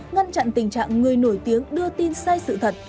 ngăn chặn tình trạng người nổi tiếng đưa tin sai sự thật